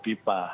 ada ibu hopi pah